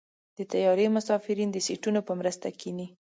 د طیارې مسافرین د سیټونو په مرسته کېني.